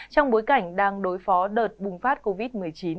trong bối cảnh đang đối phó đợt bùng phát covid một mươi chín